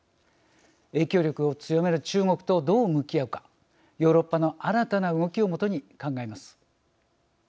影響力を強める中国とどう向き合うかヨーロッパの新たな動きをもとに考えます。